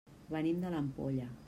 Venim de l'Ampolla.